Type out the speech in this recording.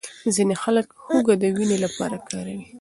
ځینې خلک هوږه د وینې لپاره کاروي.